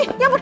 eh ya ampun